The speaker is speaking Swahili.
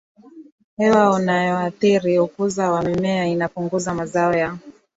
hewa unaoathiri ukuzi wa mimea Inapunguza mazao ya